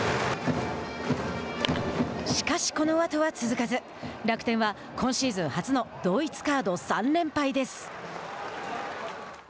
しかし、このあとは続かず楽天は今シーズン初の同一カード３連敗です。